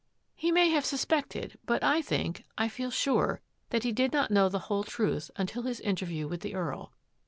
"" He may have suspected, but I think — I feel sure — that he did not know the whole truth until his interview with the Earl.